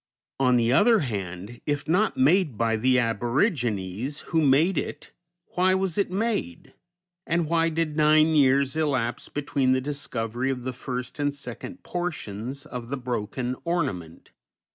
On the other hand, if not made by the aborigines, who made it, why was it made, and why did nine years elapse between the discovery of the first and second portions of the broken ornament?